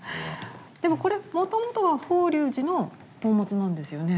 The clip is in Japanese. でもこれもともとは法隆寺の宝物なんですよね。